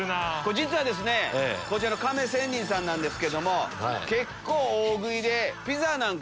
実はですねこちらの亀仙人さんなんですけども。